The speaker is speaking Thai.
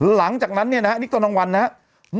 หลังจากนั้นเนี่ยนะฮะนี่ตอนกลางวันนะครับ